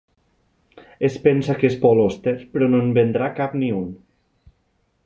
Es pensa que és Paul Auster, però no en vendrà cap ni un.